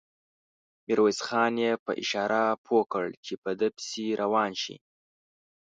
ميرويس خان يې په اشاره پوه کړ چې په ده پسې روان شي.